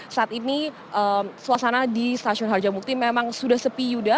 saat ini suasana di stasiun harjamukti memang sudah sepi yuda